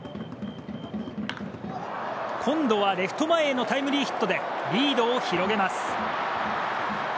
今度はレフト前へのタイムリーヒットでリードを広げます。